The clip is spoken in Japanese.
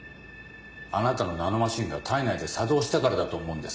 あなたのナノマシンが体内で作動したからだと思うんですが。